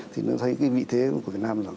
thì nó thấy cái vị thế của việt nam rồi